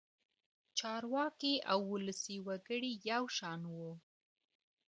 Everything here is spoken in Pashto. چارواکي او ولسي وګړي یو شان وو.